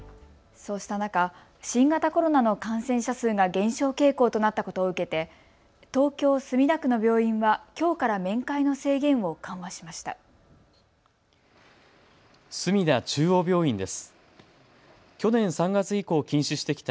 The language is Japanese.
そうした中、新型コロナの感染者数が減少傾向となったことを受けて東京墨田区の病院はきょうから面会の制限を緩和しました。